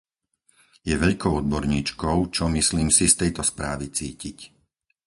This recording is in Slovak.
Je veľkou odborníčkou, čo, myslím si, z tejto správy cítiť.